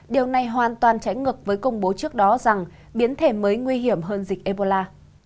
điều này hoàn toàn trái ngược với công bố trước đó rằng biến thể mới nguy hiểm hơn dịch ebola